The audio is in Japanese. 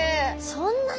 そんなに？